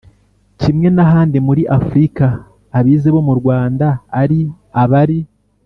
Kimwe n ahandi muri Afurika abize bo mu Rwanda ari abari